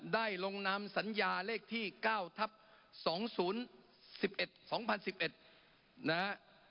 ได้ลงนำสัญญาเลขที่๙ทับ๒๐๑๑นะฮะ